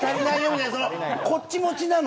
「こっち持ちなの？」